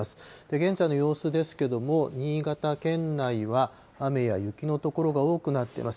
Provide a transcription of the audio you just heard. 現在の様子ですけれども、新潟県内は雨や雪の所が多くなっています。